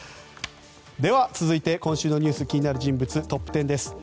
では続いて今週の気になる人物トップ１０です。